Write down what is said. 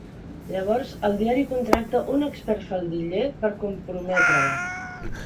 Llavors el diari contracta un expert faldiller per comprometre-la.